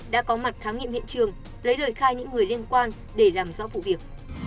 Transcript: đã có mặt khám nghiệm hiện trường lấy lời khai những người liên quan để làm rõ vụ việc